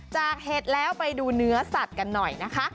เห็ดแล้วไปดูเนื้อสัตว์กันหน่อยนะคะ